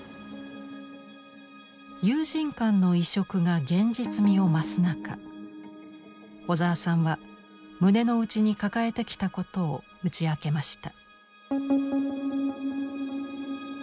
友人間の移植が現実味を増す中小沢さんは胸の内に抱えてきたことを打ち明けました。